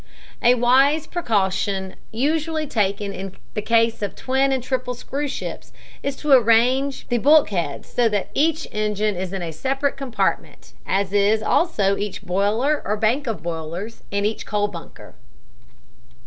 A wise precaution usually taken in the case of twin and triple screw ships is to arrange the bulkheads so that each engine is in a separate compartment, as is also each boiler or bank of boilers and each coal bunker.